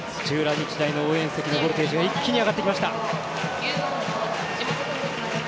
日大の応援席のボルテージが一気に上がってきました。